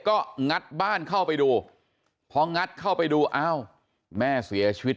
ก็งัดบ้านเข้าไปดูพองัดเข้าไปดูอ้าวแม่เสียชีวิต